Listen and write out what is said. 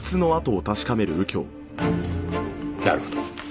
なるほど。